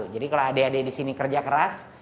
jadi kalau adik adik di sini kerja keras